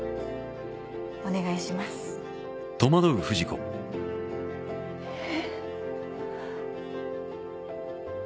「お願いします」えっ？